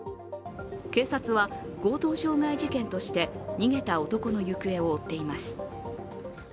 警察は強盗傷害事件として逃げた男の行方を追っています。